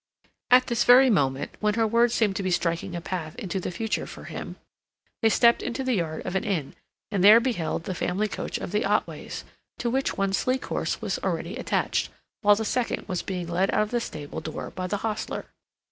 At this very moment, when her words seemed to be striking a path into the future for him, they stepped into the yard of an inn, and there beheld the family coach of the Otways, to which one sleek horse was already attached, while the second was being led out of the stable door by the hostler.